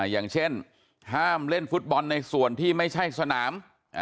อย่างเช่นห้ามเล่นฟุตบอลในส่วนที่ไม่ใช่สนาม